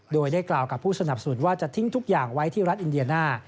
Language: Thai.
โดยได้กล่าวกับผู้สนับสนุนว่าจะทิ้งทุกอย่างไว้ที่รัฐอินเดียน่า